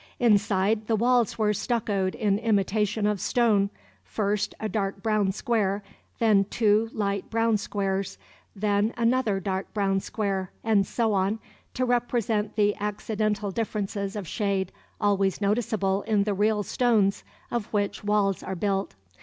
Inside, the walls were stuccoed in imitation of stone, first a dark brown square, then two light brown squares, then another dark brown square, and so on, to represent the accidental differences of shade always noticeable in the real stones of which walls are built.